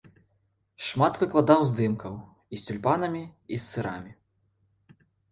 Шмат выкладаў здымках і з цюльпанамі, і з сырамі.